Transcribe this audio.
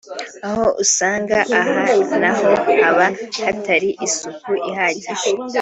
aho usanga aha naho haba hatari isuku ihagije